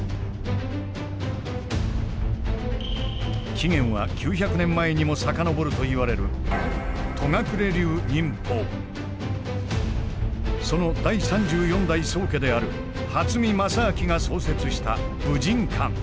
起源は９００年前にも遡るといわれるその第３４代宗家である初見良昭が創設した武神館。